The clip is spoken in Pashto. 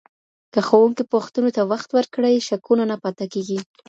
که ښوونکی پوښتنو ته وخت ورکړي، شکونه نه پاته کېږي.